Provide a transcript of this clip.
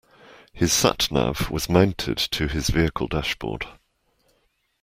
His sat nav was mounted to his vehicle dashboard